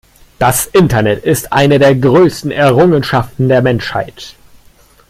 Das Internet ist eine der größten Errungenschaften der Menschheit.